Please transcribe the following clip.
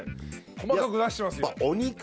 細かく出してますよ。